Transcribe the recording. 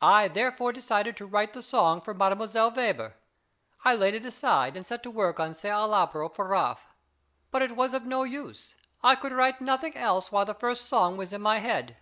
I therefore decided to write the song for Mdlle. Weber. I laid it aside, and set to work on "Se al labro" for Raaff. But it was of no use, I could write nothing else while the first song was in my head.